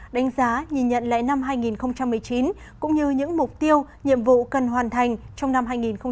đánh giá nhìn nhận lệ năm hai nghìn một mươi chín cũng như những mục tiêu nhiệm vụ cần hoàn thành trong năm hai nghìn hai mươi